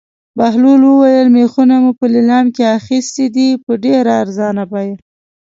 بهلول وویل: مېخونه مو په لېلام کې اخیستي دي په ډېره ارزانه بیه.